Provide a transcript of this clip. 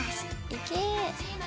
いけ。